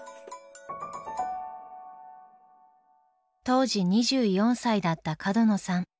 当時２４歳だった角野さん。